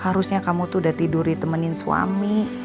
harusnya kamu tuh udah tidur ditemenin suami